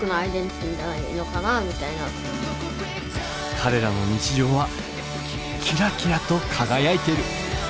彼らの日常はキラキラと輝いてる。